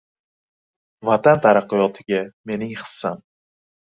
“Vatan taraqqiyotiga mening hissam”